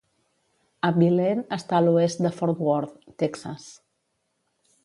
Abilene està a l'oest de Fort Worth, Texas.